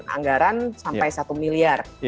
anggaran sampai satu miliar